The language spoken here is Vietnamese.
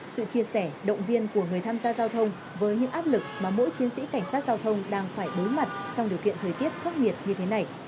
sự chia sẻ động viên của người tham gia giao thông với những áp lực mà mỗi chiến sĩ cảnh sát giao thông đang phải đối mặt trong điều kiện thời tiết khắc nghiệt như thế này